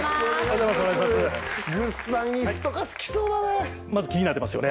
イスとか好きそうだね